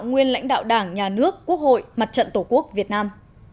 nguyên lãnh đạo đảng nhà nước quốc hội mặt trận tổ quốc việt nam